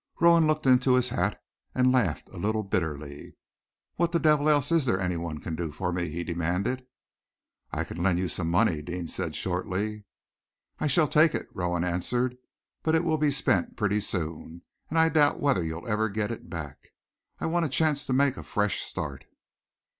Rowan looked into his hat, and laughed a little bitterly. "What the devil else is there anyone can do for me?" he demanded. "I can lend you some money," Deane said shortly. "I shall take it," Rowan answered; "but it will be spent pretty soon, and I doubt whether you'll ever get it back. I want a chance to make a fresh start."